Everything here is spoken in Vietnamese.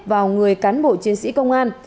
vào người cán bộ chiến sĩ công an